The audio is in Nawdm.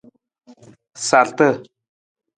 Sarta.